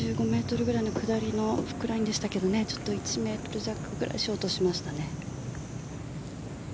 １５ｍぐらいの下りのフックラインでしたけどちょっと１ｍ弱ぐらいショートしましたね。